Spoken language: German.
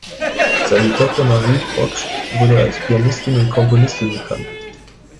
Seine Tochter Marie Proksch wurde als Pianistin und Komponistin bekannt.